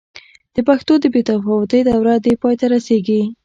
د پښتو د بې تفاوتۍ دوره دې پای ته رسېږي.